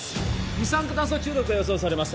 二酸化炭素中毒が予想されます